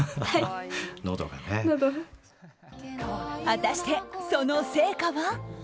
果たして、その成果は？